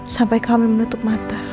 sampai kami menutup mata